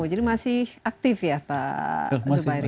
jadi masih aktif ya pak zubairi